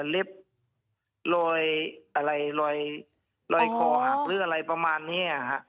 เล็บรอยอะไรรอยคอหักหรืออะไรประมาณนี้